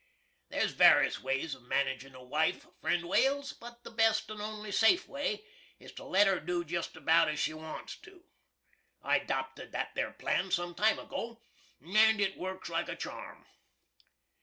There's varis ways of managin' a wife, friend Wales, but the best and only safe way is to let her do jist about as she wants to. I 'dopted that there plan sum time ago, and it works like a charm.